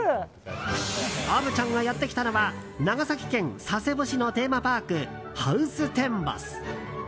虻ちゃんがやってきたのは長崎県佐世保市のテーマパークハウステンボス。